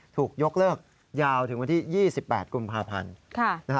ถูกยกเลิกยาวถึงวันที่๒๘กุมภาพันธ์